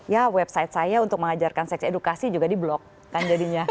ya website saya untuk mengajarkan seks edukasi juga di blok kan jadinya